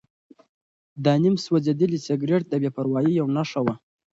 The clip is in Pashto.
دا نیم سوځېدلی سګرټ د بې پروایۍ یوه نښه وه.